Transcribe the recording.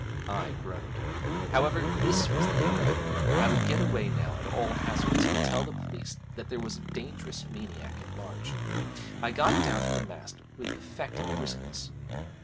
I groaned. However, this was the end; I would get away now at all hazards, and tell the police that there was a dangerous maniac at large. I got down from the mast with affected briskness.